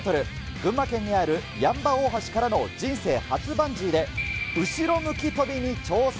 群馬県にある八ッ場大橋からの人生初バンジーで、後ろ向き飛びに挑戦。